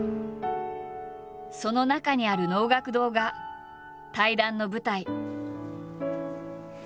その中にある能楽堂が対談の舞台。